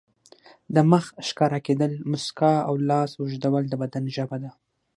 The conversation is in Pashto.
د مخ ښکاره کېدل، مسکا او لاس اوږدول د بدن ژبه ده.